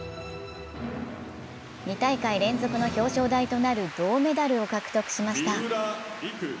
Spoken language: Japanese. ２大会連続の表彰台となる銅メダルを獲得しました。